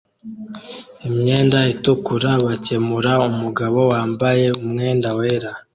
imyenda itukura bakemura umugabo wambaye umwenda wera